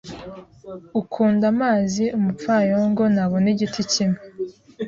ukunda amazi Umupfayongo ntabona igiti kimwe